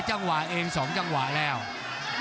ภูตวรรณสิทธิ์บุญมีน้ำเงิน